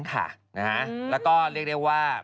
ก็เรียกได้ว่า